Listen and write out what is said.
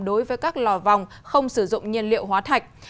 đối với các lò vòng không sử dụng nhiên liệu hóa thạch